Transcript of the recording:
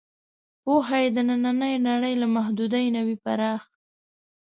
پوهه یې د نننۍ نړۍ له محدودې نه وي پراخ.